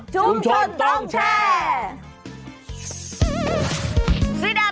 ชุมชนต้องแชร์